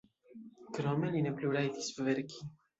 Krome li ne plu rajtis verki.